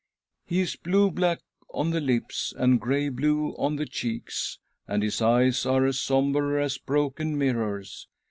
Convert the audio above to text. He is blue black on the lips and grey blue on the cheeks, and his eyes are as sombre as broken mirrors.